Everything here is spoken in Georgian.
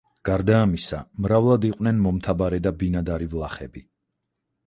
გარდა ამისა, მრავლად იყვნენ მომთაბარე და ბინადარი ვლახები.